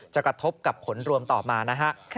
กระทบกับผลรวมต่อมานะฮะ